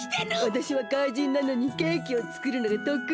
わたしは怪人なのにケーキをつくるのがとくい！